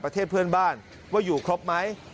ประเทศเพื่อนบ้านว่าอยู่ครบไหม